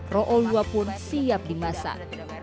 rolua pun siap dimasak